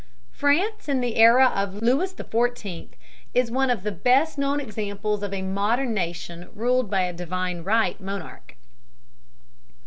France in the era of Louis XIV is one of the best known examples of a modern nation ruled by a "divine right" monarch.